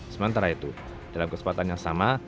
sementara itu dalam kesempatan yang sama